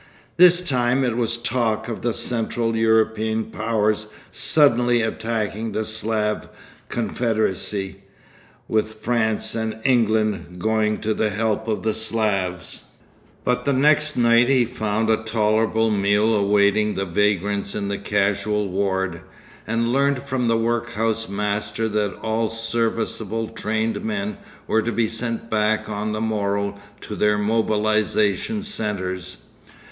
This time it was talk of the Central European powers suddenly attacking the Slav Confederacy, with France and England going to the help of the Slavs. But the next night he found a tolerable meal awaiting the vagrants in the casual ward, and learnt from the workhouse master that all serviceable trained men were to be sent back on the morrow to their mobilisation centres.